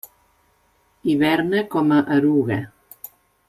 Hiberna com a eruga.